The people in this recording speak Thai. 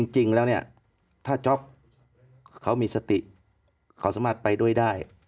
จริงแล้วเนี่ยถ้าจ๊อปเขามีสติเขาสามารถไปด้วยได้